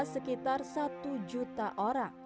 sekitar satu juta